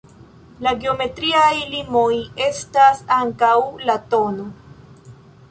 La geometriaj limoj estas ankaŭ la tn.